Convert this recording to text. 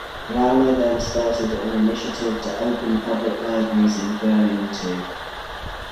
Raumer then started an initiative to open public libraries in Berlin too.